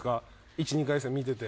１２回戦見てて。